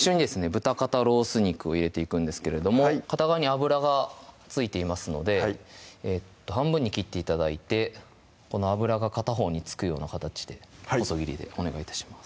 豚肩ロース肉を入れていくんですけれども片側に脂が付いていますので半分に切って頂いてこの脂が片方に付くような形で細切りでお願い致します